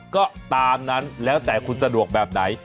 ก็ตามนั้นแล้วแต่คุณสะดวกแบบไหน